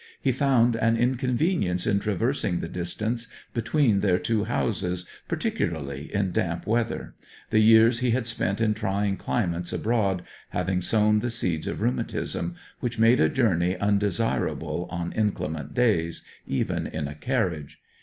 He found an inconvenience in traversing the distance between their two houses, particularly in damp weather, the years he had spent in trying climates abroad having sown the seeds of rheumatism, which made a journey undesirable on inclement days, even in a carriage.